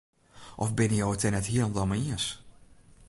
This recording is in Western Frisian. Of binne jo it dêr net hielendal mei iens?